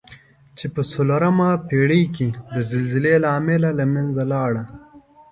چې په څلورمه پېړۍ کې د زلزلې له امله له منځه لاړه.